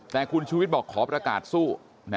แต่คุณชูวิทย์บอกขอประกาศสู้